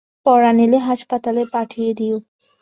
পরান এলে হাসপাতালে পাঠিয়ে দিও।